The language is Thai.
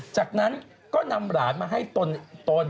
จากนั้นก็นำหลานมาให้ตน